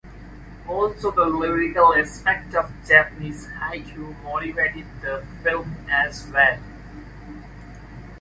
Also the lyrical aspect of Japanese Haiku motivated the fim as well.